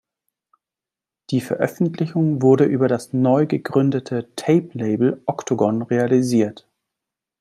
Die Veröffentlichung wurde über das neu gegründete Tape-Label Oktogon realisiert.